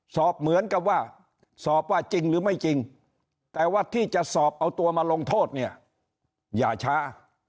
สอบเหมือนกับว่าสอบว่าจริงหรือไม่จริงแต่ว่าที่จะสอบเอาตัวมาลงโทษเนี่ยอย่าช้า